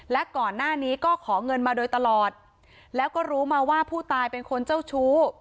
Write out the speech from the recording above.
และก่อนหน้านี้ก็ขอเงินมาโดยตลอดแล้วก็รู้มาว่าผู้ตายเป็นคนเจ้าชู้